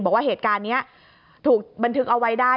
บอกว่าเหตุการณ์นี้ถูกบันทึกเอาไว้ได้